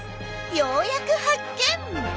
ようやく発見。